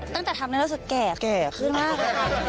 ตั้งแต่ทำนั้นรู้สึกแก่ขึ้นมาก